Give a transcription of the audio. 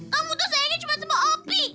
kamu tuh sayangin cuma sama opi